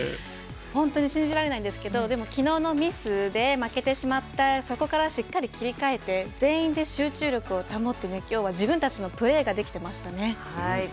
本当に信じられないですがきのうのミスで負けてしまってそこからしっかり切り替えて全員で集中力を保ってきょうは自分たちのプレーができてましたね。